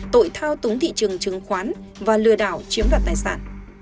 tội thao túng thị trường chứng khoán và lừa đảo chiếm đoạt tài sản